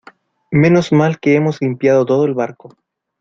menos mal que hemos limpiado todo el barco ;